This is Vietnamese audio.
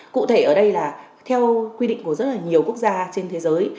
cụ thể ở đây là theo quy định của rất là nhiều quốc gia trên thế giới